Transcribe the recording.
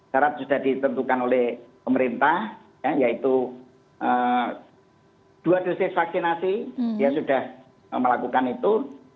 syarat sudah ditentukan oleh pemerintah yaitu dua dosis vaksinasi yang sudah melakukan itu